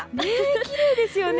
きれいですよね。